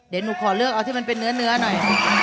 เดี๋ยวหนูขอเลือกเอาที่มันเป็นเนื้อหน่อย